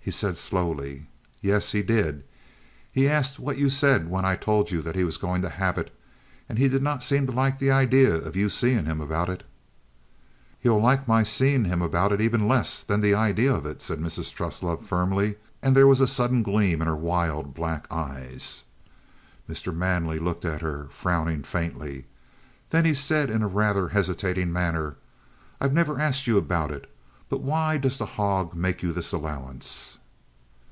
He said slowly: "Yes, he did. He asked what you said when I told you that he was going to halve it, and he did not seem to like the idea of your seeing him about it." "He'll like my seeing him about it even less than the idea of it," said Mrs. Truslove firmly, and there was a sudden gleam in her wild black eyes. Mr. Manley looked at her, frowning faintly. Then he said in a rather hesitating manner: "I've never asked you about it. But why does the hog make you this allowance?"